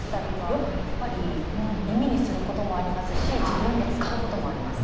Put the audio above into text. よく耳にすることもありますし自分で使うこともあります。